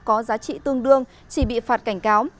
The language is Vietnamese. có giá trị tương đương chỉ bị phạt cảnh cáo